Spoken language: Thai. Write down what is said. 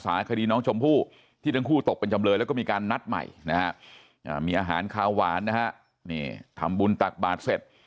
คดีน้องชมพู่ที่ทั้งคู่ตกเป็นจำเลยแล้วก็มีการนัดใหม่นะฮะมีอาหารขาวหวานนะฮะนี่ทำบุญตักบาทเสร็จ